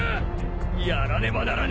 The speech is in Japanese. やらねばならぬ！